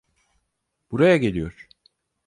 Buraya geliyor.